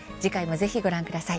ぜひご覧ください。